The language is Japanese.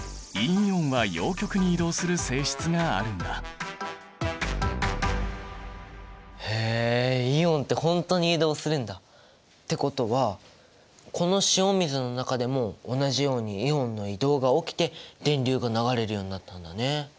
このようにへえイオンって本当に移動するんだ！ってことはこの塩水の中でも同じようにイオンの移動が起きて電流が流れるようになったんだね！